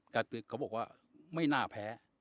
เขาบอกว่าไม่น่าแพ้